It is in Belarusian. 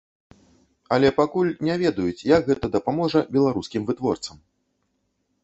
Але пакуль не ведаюць, як гэта дапаможа беларускім вытворцам.